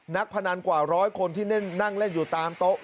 พนันกว่าร้อยคนที่นั่งเล่นอยู่ตามโต๊ะ